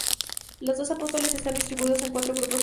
Los doce Apóstoles están distribuidos en cuatro grupos de tres.